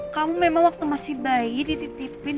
kamu memang waktu masih bayi dititipin dengan rena